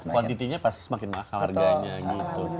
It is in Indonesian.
kuantitinya pasti semakin mahal harganya gitu